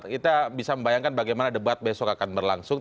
kita bisa membayangkan bagaimana debat besok akan berlangsung